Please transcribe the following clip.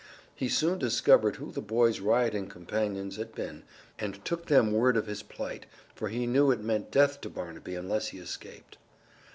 He soon discovered who the boy's rioting companions had been and took them word of his plight, for he knew it meant death to Barnaby unless he escaped.